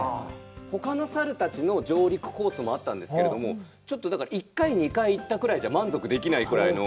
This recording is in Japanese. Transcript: ほかの猿たちの上陸コースもあったんですけれども、１回、２回行ったぐらいじゃ満足できないぐらいの。